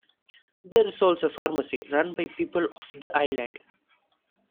There is also a pharmacy run by people of the island.